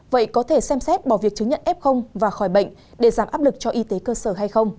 vậy có thể xem xét bỏ việc chứng nhận f và khỏi bệnh để giảm áp lực cho y tế cơ sở hay không